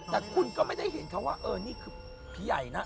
แต่คุณก็ไม่ได้เห็นเขาว่าเออนี่คือผีใหญ่นะ